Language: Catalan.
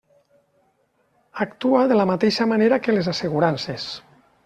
Actua de la mateixa manera que les assegurances.